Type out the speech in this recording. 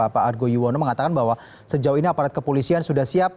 pak argo yuwono mengatakan bahwa sejauh ini aparat kepolisian sudah siap